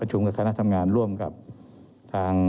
เรามีการปิดบันทึกจับกลุ่มเขาหรือหลังเกิดเหตุแล้วเนี่ย